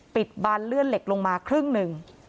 บานเลื่อนเหล็กลงมาครึ่งหนึ่ง